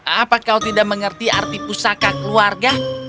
apa kau tidak mengerti arti pusaka keluarga